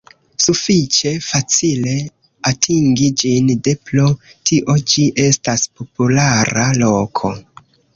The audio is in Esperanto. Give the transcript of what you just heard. Sufiĉe facile atingi ĝin de pro tio ĝi estas populara loko.